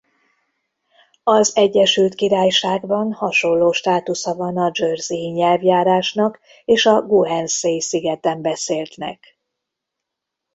Az Egyesült Királyságban hasonló státusza van a jersey-i nyelvjárásnak és a Guernsey-szigeten beszéltnek.